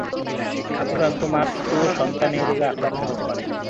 আক্রান্ত মা থেকেও সন্তান এ রোগে আক্রান্ত হতে পারে।